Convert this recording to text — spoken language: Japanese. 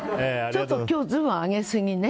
ちょっと今日ズボン上げすぎね。